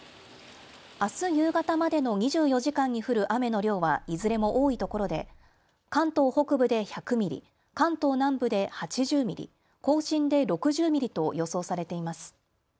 あす夕方までの２４時間に降る雨の量はいずれも多いところで関東北部で１００ミリ、関東南部で８０ミリ、甲信で６０ミリと予想されています。